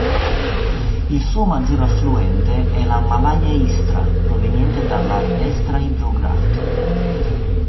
Il suo maggior affluente è la "Malaja Istra", proveniente dalla destra idrografica.